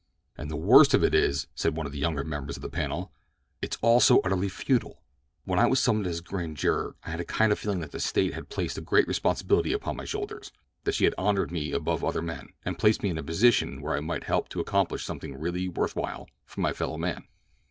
"And the worst of it is," said one of the younger members of the panel, "it's all so utterly futile. When I was summoned as a grand juror I had a kind of feeling that the State had placed a great responsibility upon my shoulders, that she had honored me above other men, and placed me in a position where I might help to accomplish something really worth while for my fellow man."